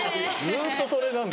ずっとそれなんだ。